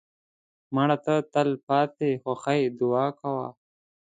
مړه ته د تلپاتې خوښۍ دعا کوو